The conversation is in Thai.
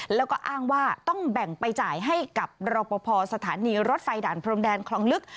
แล้วก็อ้างว่าต้องแบ่งไปจ่ายให้กับรอปภสถานีรถไฟด่านพรมแดนคลองลึก